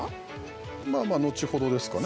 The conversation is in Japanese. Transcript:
まあまあ、後ほどですかね